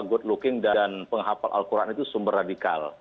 good looking dan penghafal al quran itu sumber radikal